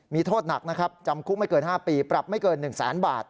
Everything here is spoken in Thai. มีโทษหนักนะครับจำคุกไม่เกิน๕ปีปรับไม่เกิน๑แสนบาท